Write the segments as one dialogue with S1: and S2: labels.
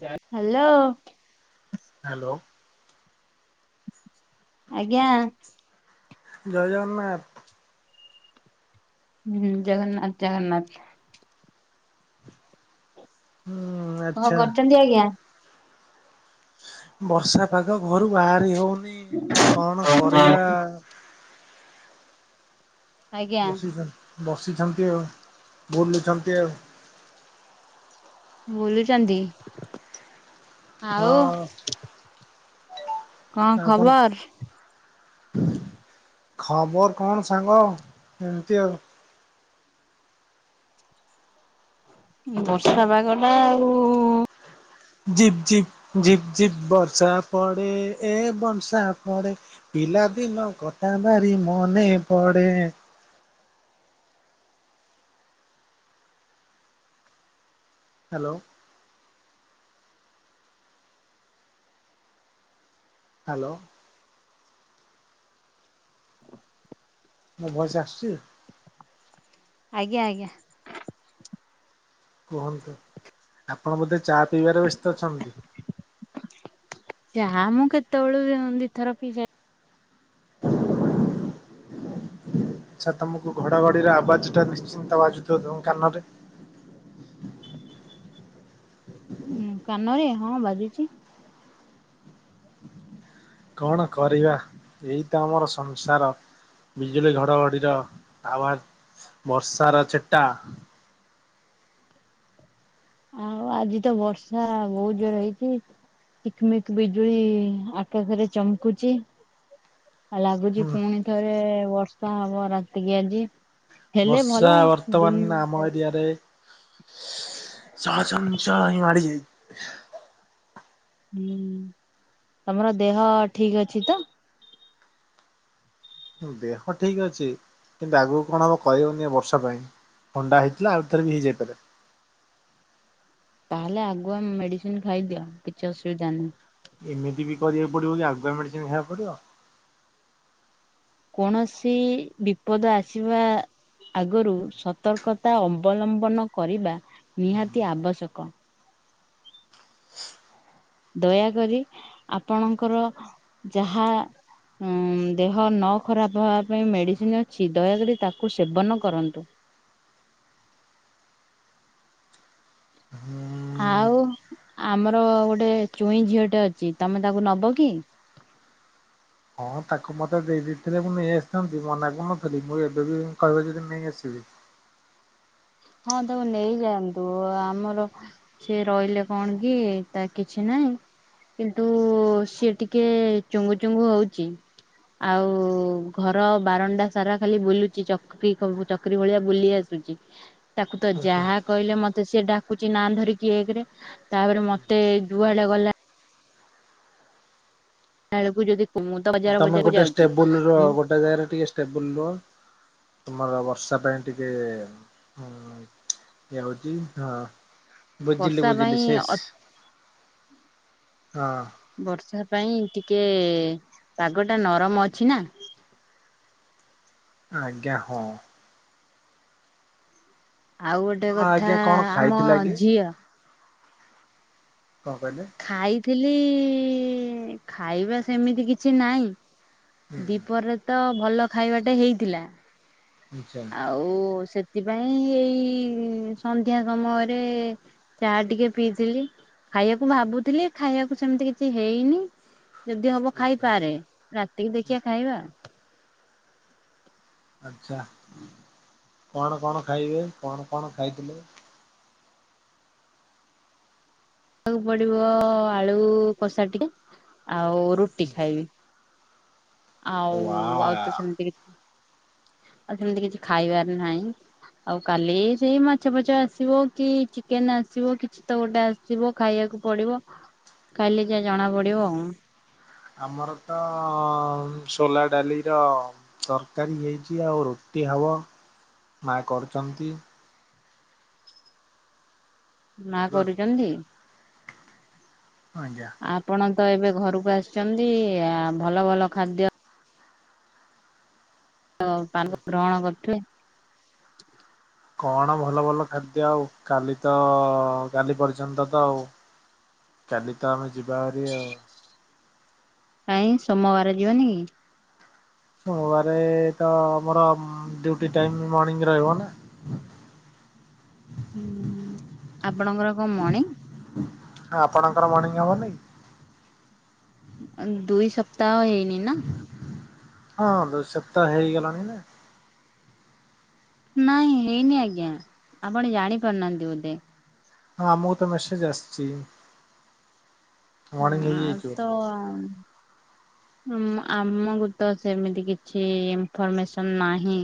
S1: Hello?
S2: Hello?
S1: ଆଜ୍ଞା।
S2: ଜୟ ଜଗନ୍ନାଥ।
S1: ହୁଁ ଜଗନ୍ନାଥ। ଜଗନ୍ନାଥ।
S2: ହୁଁଉଁ ନା।
S1: କଣ କରୁଚନ୍ତି ଆଜ୍ଞା।
S2: ବର୍ଷା ପାଗ ଘରୁ ବାହାରି ହଉନି କଣ କରିବା।
S1: ଆଜ୍ଞା
S2: ବସି ବସିଛନ୍ତି ଆଉ ବୁଲୁଛନ୍ତି ଆଉ।
S1: ବୁଲୁଚନ୍ତି ଆଉ।
S2: ହଁ ଆଉ କଣ କ। ଖବର କଣ ସାଙ୍ଗ ଏମିତି ଆଉ।
S1: ବର୍ଷା ପାଗ ଟା ଆଉ।
S2: ଜିପ୍ ଜିପ୍ ଜିପ୍ ଜିପ୍ ବର୍ଷା ପଡ଼େ ଏ ବର୍ଷା ପଡ଼େ। ପିଲା ଦିନ କଥା ବାରି ମନେ ପଡେ। ହ୍ୟାଲୋ? ହାଲୋ। ମୋ ଭଏସ ଆସୁଚି?
S1: ଆଜ୍ଞା ଆଜ୍ଞା।
S2: କୁହନ୍ତୁ ଆପଣ ବୋଧେ ଚା ପିଇବାରେ ବ୍ୟସ୍ତ ଅଛନ୍ତି?
S1: ଚାହା ମୁଁ କେତେବେଳୁ ଦିଥର ପିଇ ସା।
S2: [inaudible] ଆଛା ତମକୁ ଘଡାଘଡିରେ ଆବାଜ ଟା ନିଶ୍ଚିନ୍ତ ବାଜୁଥିବ ତ କାନରେ।
S1: ହୁଁ କାନରେ ହଁ ବାଜୁଚି।
S2: କଣ କରିବା ଏଇ ତ ଆମର ସଂସାର। ବିଜୁଳି ଘଡଘଡିର ଆବାଜ୍ ବର୍ଷାର ଛିଟା।
S1: ଆଉ ଆଜି ତ ବର୍ଷା ବହୁତ ଜୋର ହେଇଚି। ଚିକ୍ ମିକ୍ ବିଜୁଳି ଆକାଶରେ ଚମକୁଚି। ଲାଗୁଚି
S2: ହୁଁ
S1: ପୁଣି ଥରେ ବର୍ଷା ହବ ରାତିକି ଆଜି। ହେଲେ
S2: ବର୍ଷା
S1: ଭଲ
S2: ବର୍ତ୍ତମାନ ଆମ
S1: ଦୁନିଆ
S2: ଏରିଆରେ [unintelligible]
S1: ହୁଁ ତମର ଦେହ ଠିକ ଅଛି ତ?
S2: ଦେହ ଠିକ ଅଛି କିନ୍ତୁ ଆଗକୁ କଣ ହବ କହି ହବନି ଏ ବର୍ଷା ପାଇଁ। ଥଣ୍ଡା ହେଇଥିଲା ଆଉ ଥରେ ବି ହେଇଯାଇପାରେ।
S1: ତାହେଲେ ଆଗୁଆ ମେଡିସିନ ଖାଇଦିଅ କିଛି ଅସୁବିଧା ନାହିଁ।
S2: ଏମିତି ବି କରିବାକୁ ପଡିବ କି ଆଗୁଆ ମେଡିସିନ ଖାଇବାକୁ ପଡିବ।
S1: କୌଣସି ବିପଦ ଆସିବା। ଆଗରୁ ସତର୍କତା ଅବଲମ୍ବନ କରିବା ନିହାତି ଆବଶ୍ୟକ। ଦୟାକରି ଆପଣଙ୍କର ଯାହା ଉଁ ଦେହ ନ ଖରାପ ହେବା ପାଇଁ ମେଡିସିନ ଅଛି ଦୟାକରି ତାକୁ ସେବନ କରନ୍ତୁ।
S2: [inaudible]
S1: ଆଉ ଆମର ଗୋଟେ ଚୁଇଁ ଝିଅଟେ ଅଛି ତମେ ତାକୁ ନବ କି।
S2: ହଁ ତାକୁ ମତେ ଦେଇ ଦେଇଥିଲେ ମୁଁ ନେଇ ଆସିଥାନ୍ତି ମନା କରୁନଥିଲି ମୁଁ ଏବେ ବି କହିବ ଯଦି ନେଇ ଆସିବି।
S1: ହଁ ତାକୁ ନେଇଯାଆନ୍ତୁ ଆମର। ସେ ରହିଲେ କଣ କି ତା କିଛି ନାହିଁ। କିନ୍ତୁ ସିଏ ଟିକେ ଚୁଙ୍ଗୁ ଚୁଙ୍ଗୁ ହଉଚି। ଆଉ ଘର ବାରଣ୍ଡା ସାରା ଖାଲି ବୁଲୁଚି ଚକ୍ରୀ ଚକ୍। ଚକିରି ଭଳିଆ ବୁଲି ଆସୁଛି ତାକୁ ତ
S2: ଆଛା
S1: ଯାହା କହିଲେ ମତେ ସିଏ ଡାକୁଚି ନା ଧରିକି ଏକରେ ତାପରେ ମତେ ଯୁଆଡେ ଗଲା ବେଳକୁ ଯଦି ମୁଁ ତ ବଜାର
S2: ତମେ
S1: ବଜାରକୁ
S2: ଗୋଟେ
S1: ଯାଉଛି।
S2: ଷ୍ଟେବୁଲ ରୁ
S1: ମୁଁ
S2: ଗୋଟେ ଜାଗାରେ ଟିକେ ଷ୍ଟେବୁଲ ରୁହ। ତୁମର ବର୍ଷା ପାଇଁ ଟିକେ ଏଇଆ ହୋଉଛି ହଁ। ବୁଝିଲି
S1: ବର୍ଷା ପାଇଁ
S2: ବୁଝିଲି ଶେଷ ହଁ।
S1: ବର୍ଷା ପାଇଁ ଟିକେ ପାଗ ଟା ନରମ ଅଛି ନା।
S2: ଆଜ୍ଞା ହଁ।
S1: ଆଉ ଗୋଟେ
S2: ହଁ
S1: କଥା
S2: ଆଜ୍ଞା କଣ
S1: ଆମ
S2: ଖାଇଥିଲା କି
S1: ଝିଅ।
S2: କଣ କହିଲେ?
S1: ଖାଇଥିଲି ଖାଇବା ସେମିତି କିଛି ନାହିଁ।
S2: ହୁଁ।
S1: ଦୀପରେ ତ ଭଲ ଖାଇବାଟେ ହେଇଥିଲା।
S2: ଆଚ୍ଛା।
S1: ଆଉ ସେଥିପାଇଁ ଏଇ ସନ୍ଧ୍ୟା ସମୟରେ ଚା ଟିକେ ପିଇଥିଲି। ଖାଇବାକୁ ଭାବୁଥିଲି ଖାଇବାକୁ ସେମିତି କିଛି ହେଇନି ଯଦି ହବ ଖାଇପାରେ। ରାତିକି ଦେଖିବା ଖାଇବା।
S2: ଆଛା କଣ କଣ ଖାଇବେ କଣ କଣ ଖାଇଥିଲେ?
S1: ଖାଇବାକୁ ପଡିବ ଆଳୁ କଷା ଟିକେ ଆଉ ରୁଟି ଖାଇବି। ଆଉ
S2: ୱା
S1: ଆଉ ତ ସେମତି କିଛି ଆଉ ସେମିତି କିଛି ଖାଇବାର ନାହିଁ। ଆଉ କାଲି ସେଇ ମାଛ ଫଛ ଆସିବ କି ଚିକେନ ଆସିବ କିଛି ତ ଗୋଟେ ଆସ ଆସିବ ଖାଇବାକୁ ପଡିବ ଖାଇଲେ ଜା ଜଣା ପଡିବ ଆଉ।
S2: ଆମର ତ ସୋଲା ଡାଲି ର ତରକାରୀ ହେଇଛି ଆଉ ରୁଟି ହବ ମା କରୁଛନ୍ତି।
S1: ମା
S2: ବୁଝିପାରୁଛନ୍ତି
S1: କରୁଛନ୍ତି
S2: ଆଜ୍ଞା।
S1: ଆ ଆପଣ ତ ଏବେ ଘରକୁ ଆସିଛନ୍ତି ଆ ଭଲ ଭଲ ଖାଦ୍ୟ ଦ ପାନ ଗ୍ରହଣ କରୁଥିବେ।
S2: କଣ ଭଲ ଭଲ ଖାଦ୍ୟ ଆଉ କାଲି ତ କାଲି ପର୍ଯ୍ୟନ୍ତ ତ ଆଉ କାଲି ତ ଆମେ ଯିବା ହେରି ଆଉ।
S1: କାଇହିଁ ସୋମବାର ଯିବନି କି?
S2: ସୋମବାରେ ତ ଆମର ଡିଉଟି ଟାଇମ ମର୍ଣିଂ ରହିବ ନା। [inaudible]
S1: ହୁଁ ଆପଣଙ୍କର କଣ ମଣିଙ୍ଗ?
S2: ଆପଣଙ୍କର ମର୍ଣ୍ଣିଂ ହବନେଇ କି?
S1: ଦୁଇ ସପ୍ତାହ ହେଇନି। ନା?
S2: ହଁ ଦୁଇ ସପ୍ତାହ ହେଇଗଲାଣି ନା।
S1: ନାଇଁ ହେଇନି ଆଜ୍ଞା ଆପଣ ଜାଣିପାରୁନାହାନ୍ତି ବୋଧେ।
S2: ହଁ ଆମୁକୁ ତ ମେସେଜ ଆସିଛି। ମର୍ଣ୍ଣିଂ
S1: ଆଁ
S2: ହେଇଯାଇଛି
S1: ତ
S2: ବୋଲି।
S1: ଆମକୁ ତ ସେମିତି କିଛି ଇନଫର୍ମେସନ ନାହିଁ।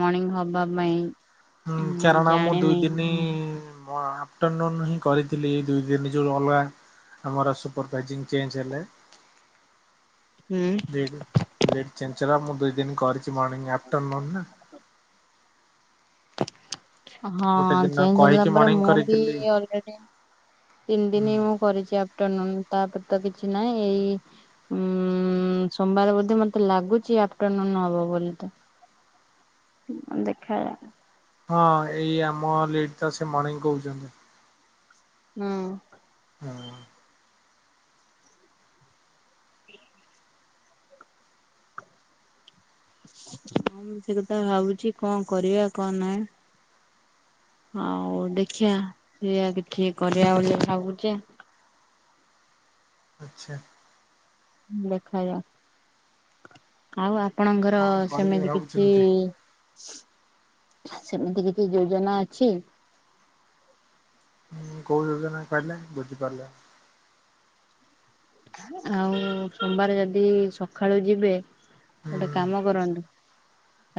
S1: ମର୍ଣିଂ ହବା ପାଇଁ।
S2: ହୁଁ କାରଣ ମୁଁ ଦୁଇ ଦିନ ମୁଁ ଆଫଟରନୁନ ହିଁ କରିଥିଲି ଏଇ ଦୁଇ ଦିନ ଯୋଉ ଅଲଗା ଆମର ସୁପରଭାଇଜିଂ ଚେଞ୍ଜ ହେଲେ।
S1: ହୁଁ।
S2: ଲିଡ୍ ଲିଡ୍ ଚେଞ୍ଜ ହେଲା ମୁଁ ଦୁଇ ଦିନ କରିଛି ମର୍ଣିଂ ଆଫ୍ଟରନୁନ ନା। ଗୋଟେ
S1: ହଁ
S2: ଦିନ
S1: ଚେଞ୍ଜ ହେଲା
S2: କହିକି
S1: ପରେ
S2: ମର୍ଣ୍ଣିଂ
S1: ମୁଁ ବି
S2: କରିଥିଲି।
S1: ଅଲରେଡି ତିନି
S2: ହୁଁ
S1: ଦିନ ମୁ କରିଛି ଆଫଟରନୁନ ତାପରେ ତ କିଛି ନାହିଁ ଏଇ ଉଁ ସୋମବାର ବୋଧେ ମତେ ଲାଗୁଛି ଆଫଟରନୁନ ହବ ବୋଲି ତ। ଦେଖା
S2: ହଁ ଏଇ ଆମ ଲେଟ ତ ସେ ମର୍ଣିଂ କହୁଛନ୍ତି।
S1: ହୁଁ।
S2: ହଁ।
S1: ହଁ ମୁଁ ସେ କଥା ଭାବୁଛି କଣ କରିବା କଣ ନାହିଁ। ହଉ ଦେଖିବା ସେଇଆ ଦେଖିକି କରିବା ବୁଲି ଭାଗୁଛି।
S2: ଆଛା।
S1: ଦେଖାଯାଉ ଆଉ ଆପଣଙ୍କର
S2: କଣ କରିବେ
S1: ସେମିତି କିଛି
S2: ଭାବୁଛନ୍ତି?
S1: ସେମିତି କିଛି ଯୋଜନା ଅଛି।
S2: ହୁଁ କୋଉ ଯୋଜନା କହିଲେ ବୁଝିପାରିଲିନି।
S1: ଆଉ ସୋମବାର ଯଦି ସକାଳୁ ଯିବେ
S2: ହୁଁ
S1: ଗୋଟେ କାମ କରନ୍ତୁ।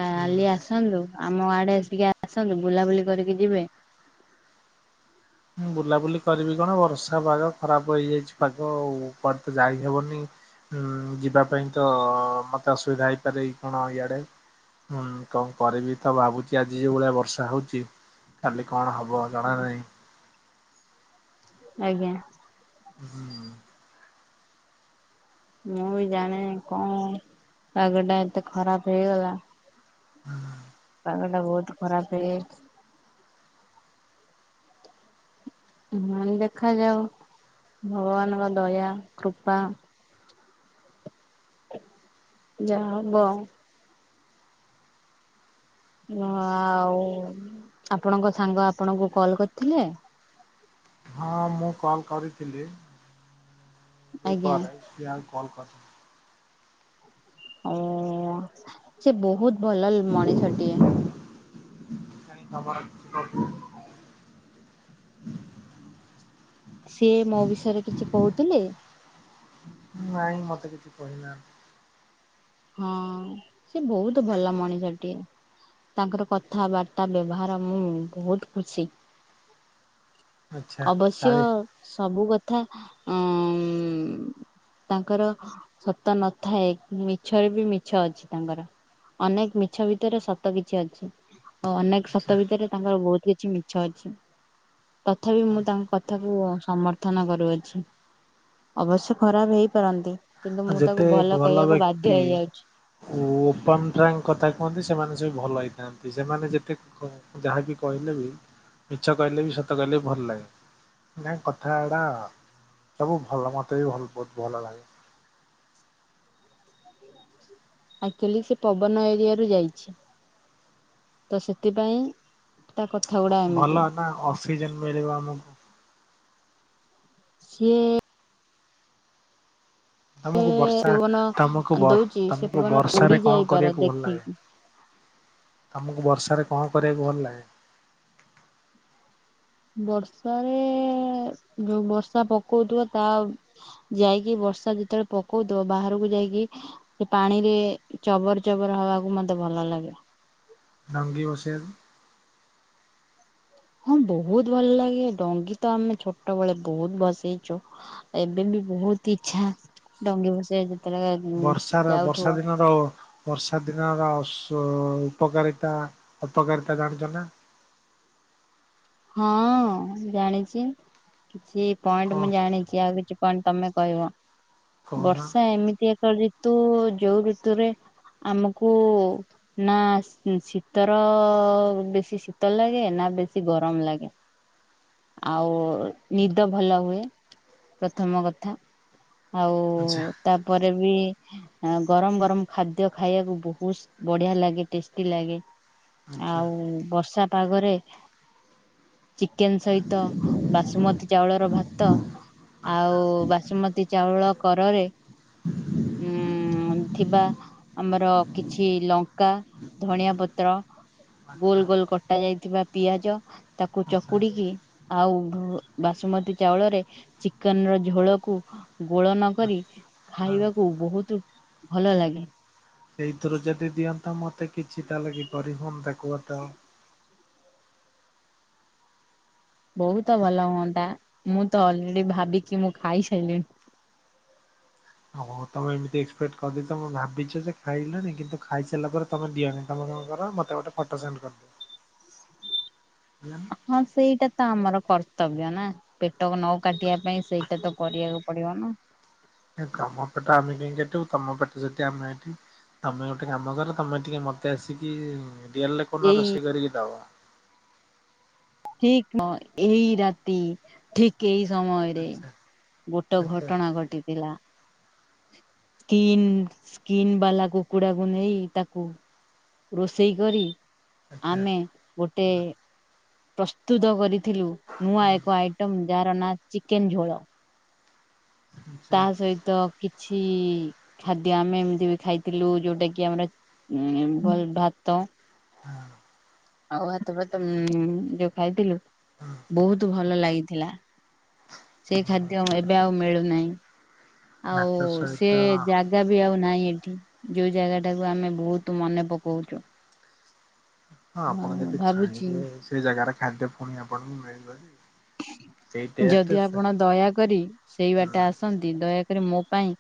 S1: କାଲି
S2: ହୁଁ।
S1: ଆସନ୍ତୁ ଆମ ଆଡେ ଆସିକି ଆସନ୍ତୁ ବୁଲାବୁଲି କରିକି ଯିବେ।
S2: ବୁଲାବୁଲି କରିବି କଣ ବର୍ଷା ପାଗ ଖରାପ ହେଇଯାଇଛି ପାଗ ଆଉ କୁଆଡେ ତ ଯାଇହବନି। ଉଁ ଯିବା ପାଇଁ ତ ମତେ ଅସୁବିଧା ହେଇପାରେ କଣ ଇଆଡେ। ହୁଁ କଣ କରିବି ତ ଭାବୁଛି ଆଜି ଯୋଉ ଭଳିଆ ବର୍ଷା ହଉଛି କାଲି କଣ ହବ। ଜଣା ନାହିଁ।
S1: ଆଜ୍ଞା।
S2: ହୁଁ ହୁଁ
S1: ମୁଁ ବି ଜାଣିନି କଣ ପାଗ ଟା ଏତେ ଖରାପ ହେଇଗଲା।
S2: ହୁଁ
S1: ପାଗ ଟା ବହୁତ ଖରାପ ହେଇ ହ ଦେଖାଯାଉ ଭଗବାନଙ୍କ ଦୟା କୃପା। ଯାହାହବ। ଆଉ ଆପଣଙ୍କ ସାଙ୍ଗ ଆପଣଙ୍କୁ କଲ କରିଥିଲେ।
S2: ହଁ ମୁଁ କଲ୍ କରିଥିଲି
S1: ଆଜ୍ଞା
S2: ଦିପହରେ ସେ ଆଉ କଲ କର
S1: ଓ ସେ ବହୁତ ଭଲ ମଣିଷଟିଏ।
S2: କାଇଁ ତମର କିଛି ପ୍ରୋବ୍ଲେମ
S1: ସିଏ ମୋ ବିଷୟରେ କିଛି କହୁଥିଲେ।
S2: ନାଇଁ ମତେ କିଛି କହିନାହାନ୍ତି।
S1: ହଁ ସେ ବହୁତ ଭଲ ମଣିଷଟିଏ ତାଙ୍କର କଥାବା ତା ବ୍ୟବହାର ମୁଁ ବହୁତ ଖୁସି
S2: ଆଚ୍ଛା
S1: ଅବଶ୍ୟ।
S2: କାଳେ
S1: ସବୁ କଥା ଉଁ ତାଙ୍କର ସତ ନଥାଏ ମି ମିଛରେ ବି ମିଛ ଅଛି ତାଙ୍କର ଅନେକ ମିଛ ଭିତରେ ସତ କିଛି ଅଛି। ଆଉ ଅନେକ
S2: ଆଚ୍ଛା
S1: ସତ ଭିତରେ ତାଙ୍କର ବହୁତ କିଛି ମିଛ ଅଛି। ତଥାପି ମୁଁ ତାଙ୍କ କଥାକୁ ସମର୍ଥ ଉଥନ କରୁଅଛି ଅବଶ୍ୟ ଖରାପ ହେଇପାରନ୍ତି। କିନ୍ତୁ ମୁଁ
S2: ଯେତେ
S1: ତାକୁ ଭଲ କହିବାକୁ ବାଧ୍
S2: ଓ ଓପମ୍ ଟ୍ରାଙ୍କ କଥା କୁହନ୍ତି ସେମାନେ ସବୁ ଭଲ ହେଇଥାନ୍ତି ସେମାନେ ଯେତେ ଯାହାବି କହିଲେ ବି ମିଛ କହିଲେ ବି ସତ କହିଲେ ବି ଭଲ ଲାଗେ। ନାଇ କଥା ଏଡା ସବୁ ଭଲ ମୋତେ ବି ଭଲ ବହୁତ ଭଲ ଲାଗେ।
S1: ହଁ ଆକ୍ଚୁଆଲି ସେ ପବନ ଏରିଆ ରୁ ଯାଇଛି ତ ସେଥିପାଇଁ। ତା କଥା ଗୁଡା
S2: ଭଲ
S1: ଏମିତି।
S2: ନା ଅକ୍ସିଜେନ ମିଳିବ ଆମକୁ।
S1: ସିଏ
S2: ତମକୁ ବର୍ଷା
S1: ଯୌବନ
S2: ତମକୁ
S1: ଦଉଛି ସେ
S2: ତମକୁ
S1: ପବନ
S2: ବର୍ଷ
S1: ଉଡି
S2: ରେ କଣ
S1: ଯାଇପାର
S2: କରିବାକୁ ଭଲ ଲାଗେ?
S1: ଦେଖିକି
S2: ତମକୁ ବର୍ଷାରେ କଣ କରିବାକୁ ଭଲ ଲାଗେ?
S1: ବର୍ଷାରେ ଯୋଉ ବର୍ଷା ପକଉଥିବ ତା ଯାଇକି ବର୍ଷା ଯେତେବେଳେ ପକୋଉଥିବ ବାହାରକୁ ଯାଇକି ସେ ପାଣିରେ ଚବର ଚବର ହବାକୁ ମତେ ଭଲ ଲାଗେ।
S2: ଡାଙ୍ଗୀ ବସେଇଆକୁ
S1: ହଁ ବହୁତ ଭଲ ଲାଗେ ଡଙ୍ଗୀ ତ ଆମେ ଛୋଟ ବେଳେ ବହୁତ ଭସେଇଛୁ। ଏବେ ବି ବହୁତ ଇଚ୍ଛା ଡଙ୍ଗୀ ଭସେଇବା କୁ।
S2: ବର୍ଷାର ବର୍ଷା ଦିନ ତ ହବ ବର୍ଷା ଦିନର ସ୍ୱ ଉପକାରିତା ଅପକାରିତା ଜାଣିଚ ନା?
S1: ହଁ ଜାଣିଚି କିଛି ପଏଣ୍ଟ ମୁଁ
S2: କଣ
S1: ଜାଣିଚି ଆଉ କିଛି କଣ ତମେ କହିବ
S2: କହନା
S1: ବର୍ଷା ଏମିତି ଏକ ରିତୁ ଯୋଉ ଋତୁରେ ଆମକୁ ନା ଶୀ ଶୀତର ବେଶୀ ଶୀତ ଲାଗେ ନା ବେଶୀ ଗର କମ୍ ଲାଗେ। ଆଉ ନିଦ ଭଲ ହୁଏ ପ୍ରଥମ କଥା। ଆଉ
S2: ଆଚ୍ଛା
S1: ତାପରେ ବି ଆ ଗରମ ଗରମ ଖାଦ୍ୟ ଖାଇଆକୁ ବହୁତ ବଢିଆ ଲାଗେ ଟେଷ୍ଟି ଲାଗେ।
S2: ଆଚ୍ଛା
S1: ଆଉ ବର୍ଷା ପାଗରେ ଚିକେନ୍‌ ସହିତ ବାସୁମତୀ ଚାଉଳର ଭାତ
S2: ଆଚ୍ଛା
S1: ଆଉ ବାସୁମତୀ ଚାଉଳ କରରେ ଉଁ ଥିବା ଆମର କିଛି ଲଙ୍କା ଧଣିଆ ପତ୍ର
S2: ଆଚ୍ଛା
S1: ଗୋଲ୍‌
S2: ଆଚ୍ଛା
S1: ଗୋଲ୍‌ କଟା ଯାଇଥିବା ପିଆଜ ତାକୁ
S2: ହଁ
S1: ଚକୁଡିକି ଆଉ ଭୁ ବାସୁମତୀ ଚାଉଳରେ ଚିକେନ୍‌ର ଝୋଳକୁ ଗୋଳନ କରି ଖାଇବାକୁ ବହୁତୁ ଭଲ ଲାଗେ।
S2: ସେଇଥିରୁ ଯଦି ଦିଅନ୍ତ ମତେ କିଛି ତାହେଲେ କିପରି ହୁଅନ୍ତା କୁଅତ।
S1: ବହୁତ ଭଲ ହୁଅନ୍ତା ମୁଁ ତ ଅଲରେଡି ଭାବିକି ମୁଁ ଖାଇସାଇଲିଣି।
S2: ହଁ ହୋଉ ତମେ ଏମିତି ଏକ୍ସପେକ୍ଟ କରିଦେଇଛ ମୁଁ ଭାବିଚି ଯେ ଖାଇଲଣି କିନ୍ତୁ ଖାଇସାରିଲା ପରେ ତମେ ଦିଅନି ତମେ କଣ କର ମତେ ଗୋଟେ ଫଟୋ ସେଣ୍ଡ କରିଦିଅ ହେଲା।
S1: ହଁ ସେଇଟା ତ ଆମର କର୍ତ୍ତବ୍ୟ ନା। ପେଟକୁ ନ କାଟିବା ପାଇଁ ସେଇଟା ତ କରିବାକୁ ପଡିବ ନା।
S2: ଏ ତମପେଟ ଆମେ ଡେଇଁ ଯାଇଥିବୁ ତମପେଟ ସେତି ଆମେ ଏଠି ତମେ ଗୋଟେ କାମ କର ତମେ ଟିକେ ମତେ ଆସିକି ରିଅଲ୍ ରେ କୋଉଦିନ
S1: ଏଇ
S2: ରୋଷେଇ କରିକି ଦବ?
S1: ଠିକ୍ ନ ଏଇ ରାତି ଠିକ୍ ଏଇ ସମୟରେ
S2: ଆଚ୍ଛା
S1: ଗୋଟେ
S2: ଆଚ୍ଛା
S1: ଘଟଣା ଘଟିଥିଲା। କିନ୍ ସ୍କିନ୍ ବାଲା କୁକୁଡାକୁ ନେଇ ତାକୁ ରୋଷେଇ କରି
S2: ଆଚ୍ଛା
S1: ଆମେ ଗୋଟେ ପ୍ରସ୍ତୁତ କରିଥିଲୁ ନୂଆ
S2: ହୁଁ
S1: ଏକ ଆଇ ଟିମ୍ ଯାହାର ନାଁ ଚିକେନ୍‌ ଝୋଳ।
S2: ଆଚ୍ଛା
S1: ତା ସହିତ କିଛି ଖାଦ୍ୟ ଆମେ ଏମତି ବି ଖାଇଥିଲୁ ଯୋଉଟା କି ଆମେ ଉଁ ହେଇ ଭାତ।
S2: ହଁ।
S1: ଆଉ ହାତ ଫାତ ଉଁ ଯୋଉ ଖାଇଥିଲୁ
S2: ହଁ।
S1: ବହୁତ ଭଲ ଲାଗିଥିଲା। ସେଇ ଖାଦ୍ୟ ଏବେ ଆଉ ମିଳୁନାହିଁ ଆଉ
S2: ଭାତ ସହିତ
S1: ସେ ବ୍ୟାଗ୍ ଜା ବି ଆଉ ନାହିଁ ଏଠି ଯୋଉ ଜାଗାଟାକୁ ଆମେ ବହୁତୁ ମନେ ପକୋଉଚୁ।
S2: ହଁ ଆପଣ ଯଦି
S1: ଭାବୁଛି
S2: ଛାହିଁବେ ସେ ଜାଗାରେ ଖାଦ୍ୟ ଫୁଣି ଆପଣଙ୍କୁ ମିଳିବ ଯେ। ସେଇ ଟେଷ୍ଟ
S1: ଯଦି
S2: ସେ
S1: ଆପଣ ଦୟାକରି ସେଇ
S2: ହୁଁ
S1: ବାଟେ ଆସନ୍ତି ଦୟାକରି ମୋ ପାଇଁ